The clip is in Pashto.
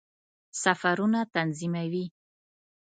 سفرونه تنظیموي.